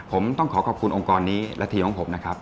ผมต้องขอขอบคุณองค์กรนี้และทีมของผมนะครับ